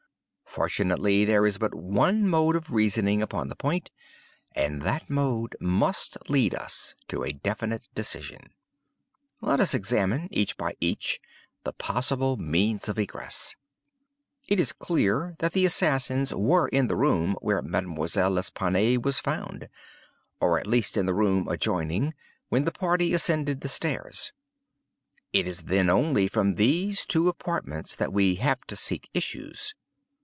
Fortunately, there is but one mode of reasoning upon the point, and that mode must lead us to a definite decision. Let us examine, each by each, the possible means of egress. It is clear that the assassins were in the room where Mademoiselle L'Espanaye was found, or at least in the room adjoining, when the party ascended the stairs. It is then only from these two apartments that we have to seek issues.